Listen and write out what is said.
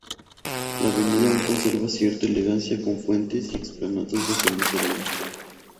La avenida aún conserva cierta elegancia, con fuentes y explanadas bajo los árboles.